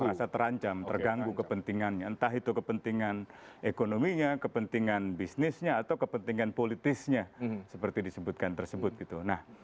merasa terancam terganggu kepentingannya entah itu kepentingan ekonominya kepentingan bisnisnya atau kepentingan politisnya seperti disebutkan tersebut gitu